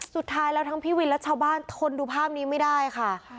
สุดท้ายแล้วทั้งพี่วินและชาวบ้านทนดูภาพนี้ไม่ได้ค่ะ